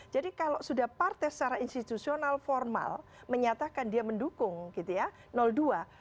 jadi kalau sudah partai secara institusional formal menyatakan dia mendukung gitu ya dua